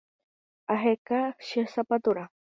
Aheka che sapaturã